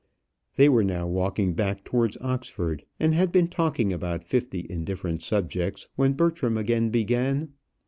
They were now walking back towards Oxford, and had been talking about fifty indifferent subjects, when Bertram again began.